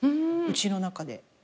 うちの中で。